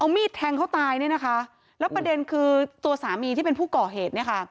มีดแทงเขาตายเนี่ยนะคะแล้วประเด็นคือตัวสามีที่เป็นผู้ก่อเหตุเนี่ยค่ะ